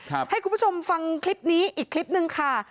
ให้คุณผู้ชมฟังคลิปนี้อีกคลิปหนึ่งค่ะ